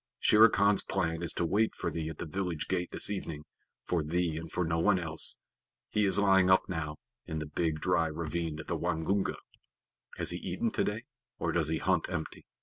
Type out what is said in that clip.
Shere Khan's plan is to wait for thee at the village gate this evening for thee and for no one else. He is lying up now, in the big dry ravine of the Waingunga." "Has he eaten today, or does he hunt empty?"